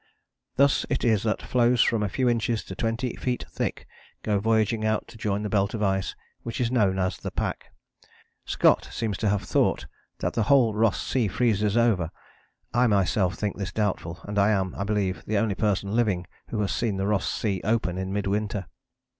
Thus it is that floes from a few inches to twenty feet thick go voyaging out to join the belt of ice which is known as the pack. Scott seems to have thought that the whole Ross Sea freezes over. I myself think this doubtful, and I am, I believe, the only person living who has seen the Ross Sea open in mid winter.